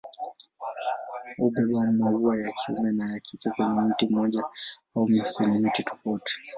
Hubeba maua ya kiume na ya kike kwenye mti mmoja au kwenye miti tofauti.